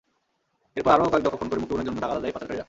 এরপর আরও কয়েক দফা ফোন করে মুক্তিপণের জন্য তাগাদা দেয় পাচারকারীরা।